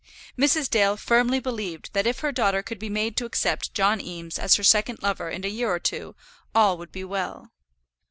Mrs. Dale firmly believed that if her daughter could be made to accept John Eames as her second lover in a year or two all would be well.